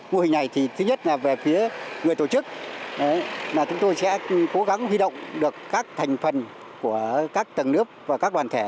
mô hình này thì thứ nhất là về phía người tổ chức là chúng tôi sẽ cố gắng huy động được các thành phần của các tầng lớp và các đoàn thể